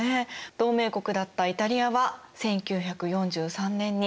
同盟国だったイタリアは１９４３年に。